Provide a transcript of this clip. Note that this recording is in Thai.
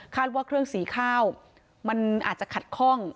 ว่าเครื่องสีข้าวมันอาจจะขัดข้อง